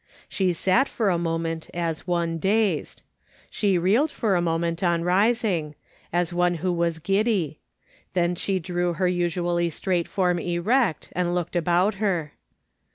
She sat for a moment as one dazed. She reeled for a, moment on rising, as one who was giddy ; then she drew her usually straight form erect, and looked about her.